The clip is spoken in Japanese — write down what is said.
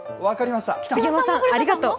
杉山さんありがとう。